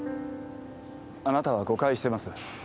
あなたは誤解してます。